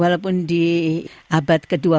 walaupun di abad ke dua puluh satu ya